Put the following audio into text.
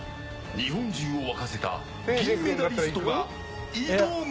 日本中を沸かせた銀メダリストが挑む。